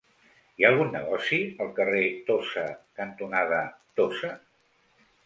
Hi ha algun negoci al carrer Tossa cantonada Tossa?